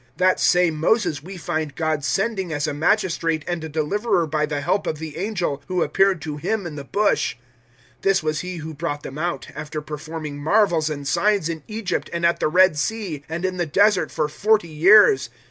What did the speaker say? that same Moses we find God sending as a magistrate and a deliverer by the help of the angel who appeared to him in the bush. 007:036 This was he who brought them out, after performing marvels and signs in Egypt and at the Red Sea, and in the Desert for forty years.